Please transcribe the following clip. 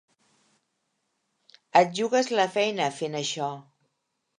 Et jugues la feina, fent això.